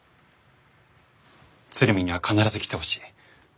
鶴見には必ず来てほしい。